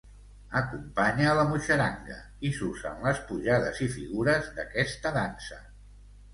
Acompanya la muixeranga i s'usa en les pujades i figures d'aquesta dansa.